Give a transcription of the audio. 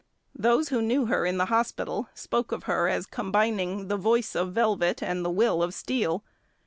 Those who knew her in the hospital spoke of her as combining "the voice of velvet and the will of steel."